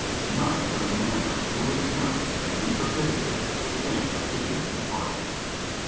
None but a man of coolest nerve and intrepidity would think of giving it a trial.